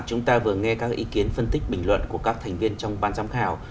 chúng ta vừa nghe các ý kiến phân tích bình luận của các thành viên trong ban giám khảo